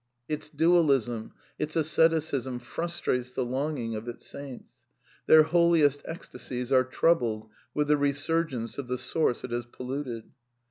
Its dualism, its asceticism, frustrates the longing of its saints, llieir holiest ecstasies are troubled with the resurgence of the source it has polluted.